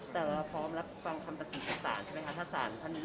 แต่เราพร้อมแล้วเลือกคำถามประจำศัตริย์ดื่มถ่านใช่มั้ยคะถ้าศาลพันดมวิจัยออกมาแล้ว